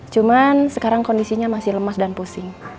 cuman sekarang kondisinya masih lemas dan pusing